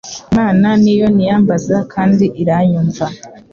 Imana ni yo niyambaza kandi iranyumva